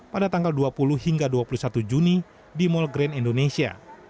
pada tanggal dua puluh hingga dua puluh satu juni di mall grand indonesia